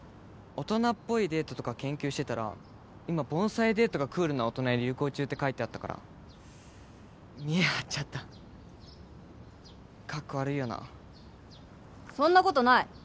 大人っぽいデートとか研究してたら今盆栽デートがクールな大人に流行中って書いてあったから見栄張っちゃったカッコ悪いよなそんなことない！